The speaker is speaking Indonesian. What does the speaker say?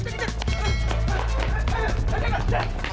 hei kejar kejar